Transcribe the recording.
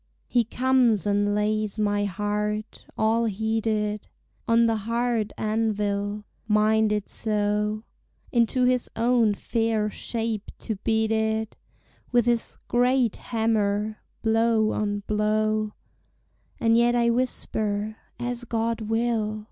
He comes and lays my heart, all heated, On the hard anvil, minded so Into his own fair shape to beat it With his great hammer, blow on blow: And yet I whisper, As God will!